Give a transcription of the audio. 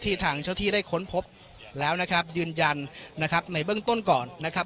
ทางเจ้าที่ได้ค้นพบแล้วนะครับยืนยันนะครับในเบื้องต้นก่อนนะครับ